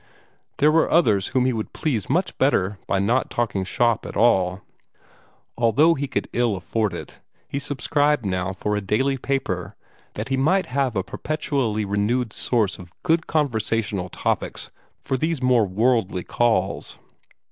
There were others whom he would please much better by not talking shop at all. Although he could ill afford it, he subscribed now for a daily paper that he might have a perpetually renewed source of good conversational topics for these more worldly calls.